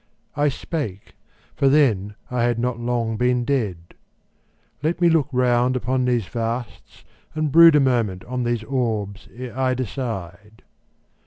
I spake for then I had not long been dead "Let me look round upon the vasts, and brood A moment on these orbs ere I decide